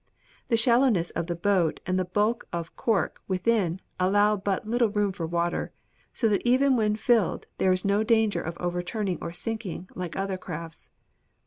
'The shallowness of the boat and the bulk of cork within allow but little room for water; so that even when filled it is in no danger of overturning or sinking, like other crafts.